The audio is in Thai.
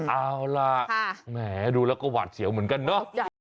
เอาล่ะแหมดูแล้วก็หวาดเสียวเหมือนกันเนาะ